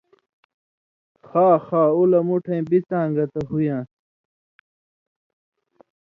خا خا اُو لہ مُٹھَیں بِڅاں گتہ ہُویان٘س